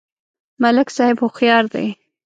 ملک صاحب هوښیار دی.